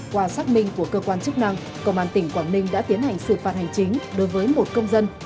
qua xác minh của cơ quan chức năng công an tỉnh quảng ninh đã tiến hành xử phạt hành chính đối với một công dân